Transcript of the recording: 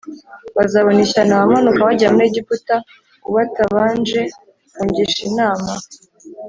Bazabona ishyano abamanuka bajya muri Egiputa u batabanje kungisha inama